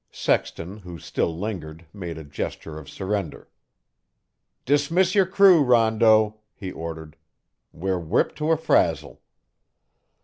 Sexton, who still lingered, made a gesture of surrender. "Dismiss your crew, Rondeau," he ordered. "We're whipped to a frazzle."